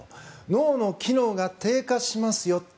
脳の機能が低下しますよと。